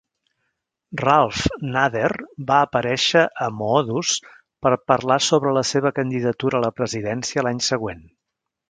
Ralph Nader va aparèixer a Moodus per parlar sobre la seva candidatura a la presidència l'any següent.